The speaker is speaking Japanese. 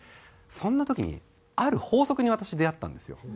そんな時にある法則に私出会ったんですよ。